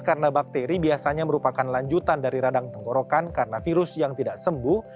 karena bakteri biasanya merupakan lanjutan dari radang tenggorokan karena virus yang tidak sembuh